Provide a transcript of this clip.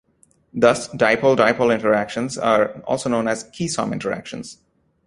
Thus, dipole-dipole interactions are also known as Keesom interactions.